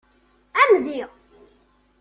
Amedya.